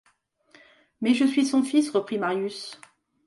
Mais je suis son fils, reprit Marius.